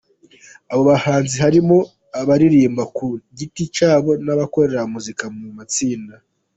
Abo bahanzi harimo abaririmba ku giti cyabo n’ abakorera umuziki mu matsinda.